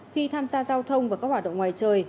khi tham gia giao thông và các hoạt động ngoài trời